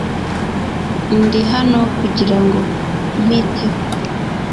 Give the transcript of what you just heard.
Ndi hano kugirango nkwiteho .